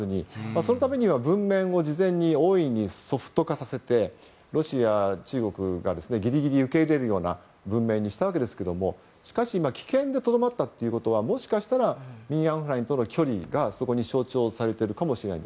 そのためには文面を事前に大いにソフト化させてロシア、中国がギリギリ受け入れるような文面にしたわけですが棄権でとどまったということはもしかしたらミン・アウン・フラインとの距離が象徴されているかもしれません。